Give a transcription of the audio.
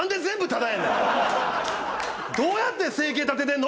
どうやって生計立ててるの？